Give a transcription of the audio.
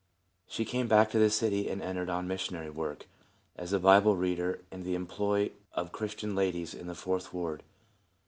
She came back to the city and entered on missionary work, as a Bible reader in the em ploy of some Christian ladies in the Fourth ward.